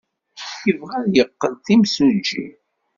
Yebɣa ad yeqqel d imsujji.